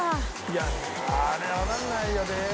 「いやあれわかんないよね」